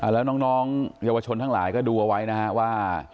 แล้วน้องเยาวชนทั้งหลายก็ดูเอาไว้นะฮะว่า